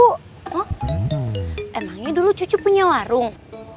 oh emangnya dulu cucu punya warung